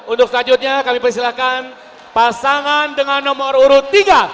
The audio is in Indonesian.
untuk selanjutnya kami persilahkan pasangan dengan nomor urut tiga